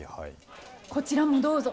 こちらもどうぞ。